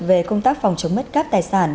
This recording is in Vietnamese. về công tác phòng chống mất các tài sản